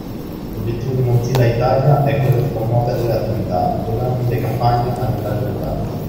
L'obiettivo di Mozilla Italia è quello di promuovere le attività, i programmi, le campagne a livello locale.